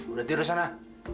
udah tidur sana